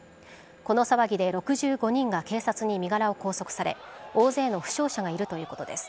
この騒ぎで６５人が警察に身柄を拘束され大勢の負傷者がいるということです。